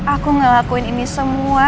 aku ngelakuin ini semua